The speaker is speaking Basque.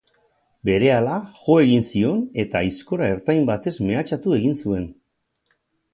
Berehala, jo egin zion eta aizkora ertain batez mehatxatu egin zuen.